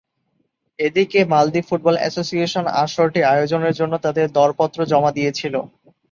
এদিকে, Maldives football association আসরটি আয়োজনের জন্য তাদের দরপত্র জমা দিয়েছিল।